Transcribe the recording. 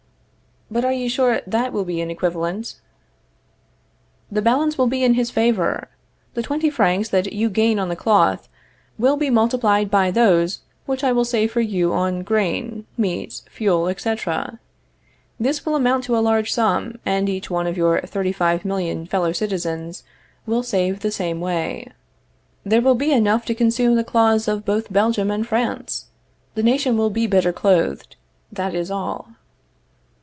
But are you sure that will be an equivalent? The balance will be in his favor. The twenty francs that you gain on the cloth will be multiplied by those which I will save for you on grain, meat, fuel, etc. This will amount to a large sum, and each one of your 35,000,000 fellow citizens will save the same way. There will be enough to consume the cloths of both Belgium and France. The nation will be better clothed; that is all.